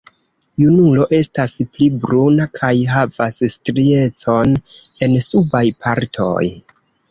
Junulo estas pli bruna kaj havas striecon en subaj partoj.